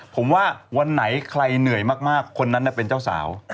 ผมว่าวันไหนใครเหนื่อยมากคนนั้นเป็นเจ้าสาว